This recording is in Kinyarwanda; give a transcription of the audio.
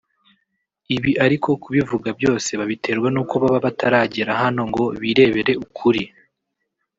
ibi ariko kubivuga byose babiterwa n’uko baba batarajyera hano ngo birebere ukuri»